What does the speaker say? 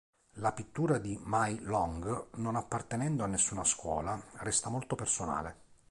La pittura di Mai Long, non appartenendo a nessuna scuola, resta molto personale.